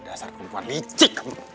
dasar perempuan licik kamu